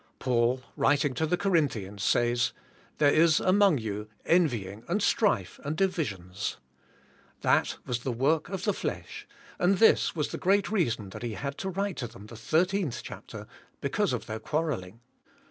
Paul writing to the Corinthi ans says, "There is among you envying, and strife, and divisions." That was the work of the flesh and this was the great reason that he had to write to them the thirteenth chapter, because of their quarrelling.